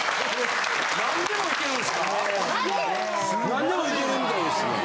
何でもいけるみたいですね。